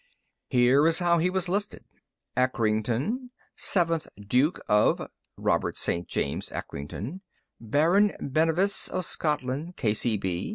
Here's how he was listed: _ACRINGTON, Seventh Duke of (Robert St. James Acrington) Baron Bennevis of Scotland, K. C.